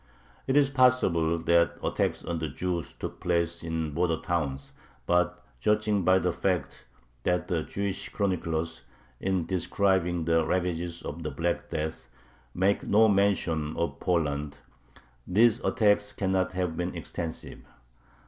It is possible that attacks on the Jews took place in the border towns, but, judging by the fact that the Jewish chroniclers, in describing the ravages of the Black Death, make no mention of Poland, these attacks cannot have been extensive.